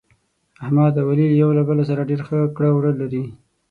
احمد او علي یو له بل سره ډېر ښه کړه وړه لري.